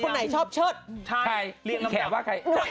เธอว่าคนไหนชอบเชิดใช่แขว่าใคร